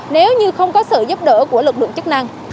nếu như không có sự giúp đỡ của lực lượng chức năng